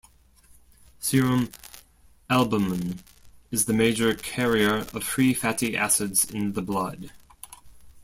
Serum albumin is the major carrier of free fatty acids in the blood.